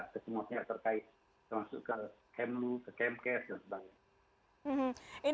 ke semua negara terkait termasuk ke kmu kmk dan sebagainya